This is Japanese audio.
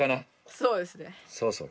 そうですね。